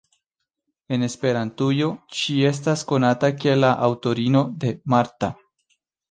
En Esperantujo ŝi estas konata kiel la aŭtorino de "Marta.